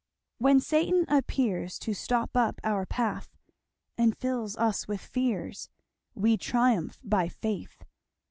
"When Satan appears To stop up our path, And fills us with fears, We triumph by faith.